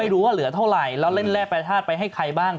ไม่รู้ว่าเหลือเท่าไหร่แล้วเล่นแลกประชาติไปให้ใครบ้าง